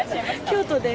京都です。